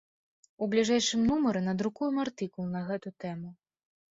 У бліжэйшым нумары надрукуем артыкул на гэту тэму.